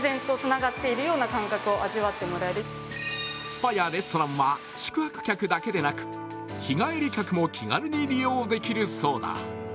スパやレストランは宿泊客だけでなく、日帰り客も気軽に利用できるそうだ。